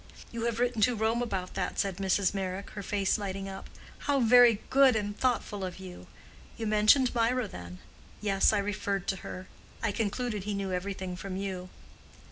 "You have written to Rome about that?" said Mrs. Meyrick, her face lighting up. "How very good and thoughtful of you! You mentioned Mirah, then?" "Yes, I referred to her. I concluded he knew everything from you."